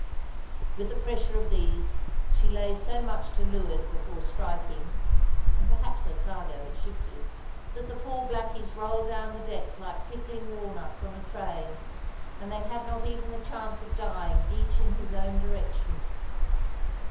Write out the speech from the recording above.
With the pressure of these, she lay so much to leeward before striking (and perhaps her cargo had shifted), that the poor blackies rolled down the deck like pickling walnuts on a tray; and they had not even the chance of dying each in his own direction.